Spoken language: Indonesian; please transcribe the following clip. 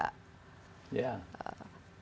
tembok tembok yang menarik